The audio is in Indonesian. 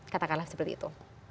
katakanlah seperti itu